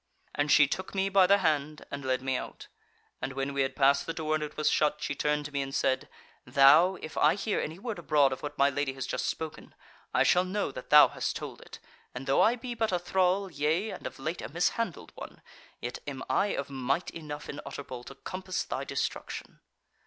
"And she took me by the hand and led me out, and when we had passed the door and it was shut, she turned to me and said: 'Thou, if I hear any word abroad of what my Lady has just spoken, I shall know that thou hast told it, and though I be but a thrall, yea, and of late a mishandled one, yet am I of might enough in Utterbol to compass thy destruction.'